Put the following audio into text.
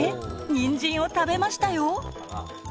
にんじんを食べましたよ。